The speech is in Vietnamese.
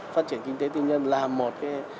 phát triển kinh tế tư nhân là một